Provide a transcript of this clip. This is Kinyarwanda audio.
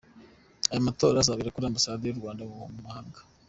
Ayo matora azabera kuri Ambasade z’u Rwanda mu mahanga.